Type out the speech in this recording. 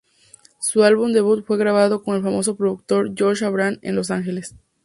Su álbum debut fue grabado con el famoso productor Josh Abraham en Los Ángeles.